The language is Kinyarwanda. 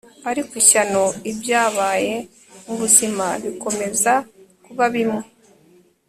ariko ishyano ibyabaye mubuzima bikomeza kuba bimwe